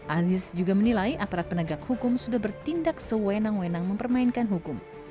aziz juga menilai aparat penegak hukum sudah bertindak sewenang wenang mempermainkan hukum